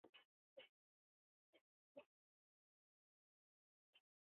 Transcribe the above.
Otras figuras que se barajaron para este rol fueron Elizabeth Taylor y Sofía Loren.